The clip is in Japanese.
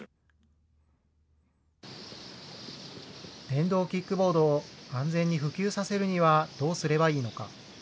電動キックボードを安全に普及させるにはどうすればいいのか。